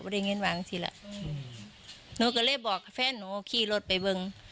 ว่าเด็งเงินวางทีละหนูกำลังเลยบอกแฟนหนูขี้รถไปเบิ่ง